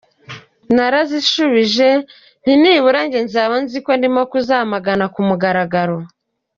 Narazishubije nti: “Nibura njye nzaba nzizeko ndikubwamagana k’umugaragaro.